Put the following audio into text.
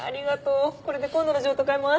これで今度の譲渡会も安心だよ。